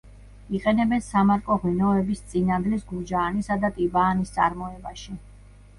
იყენებენ სამარკო ღვინოების „წინანდლის“, „გურჯაანისა“ და „ტიბაანის“ წარმოებაში.